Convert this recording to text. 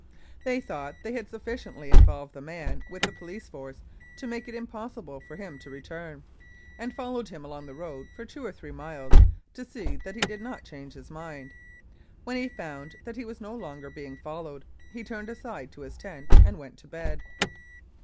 They thought they had sufficiently involved the man with the Police Force to make it im possible for him to return, and followed him along the road for two or three miles to see that he did not change his mind. When he found that he was no longer being followed he turned aside to his tent and went to bed.